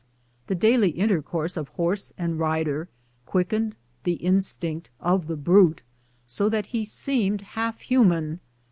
The daily intercourse of horse and rider quickened the instinct of the brute, so that he seemed half human.